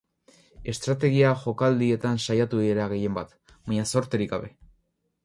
Estrategia jokaldietan saiatu dira gehienbat, baina zorterik gabe.